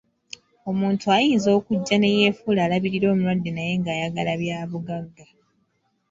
Omuntu ayinza okujja ne yeefuula alabirira omulwadde naye nga ayagala bya bugagga.